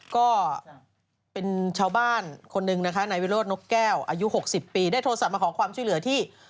ก็เป็นชาวบ้านคนหนึ่งนะคะนายวิโรธนกแก้วอายุ๖๐ปีได้โทรศัพท์มาขอความช่วยเหลือที่